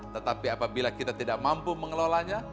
tetapi apabila kita tidak mampu mengelolanya